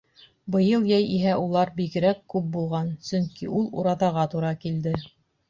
Быйыл йәй иһә улар бигерәк күп булған, сөнки ул ураҙаға тура килде.